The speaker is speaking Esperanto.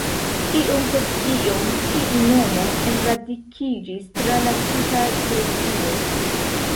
Iom post iom tiu nomo enradikiĝis tra la tuta Grekio.